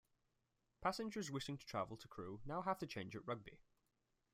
Passengers wishing to travel to Crewe now have to change at Rugby.